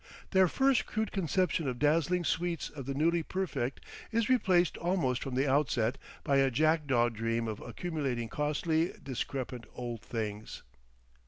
Their first crude conception of dazzling suites of the newly perfect is replaced almost from the outset by a jackdaw dream of accumulating costly discrepant old things.